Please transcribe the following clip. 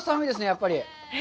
やっぱり。